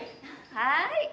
はい。